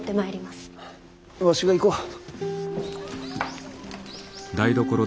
わしが行こう。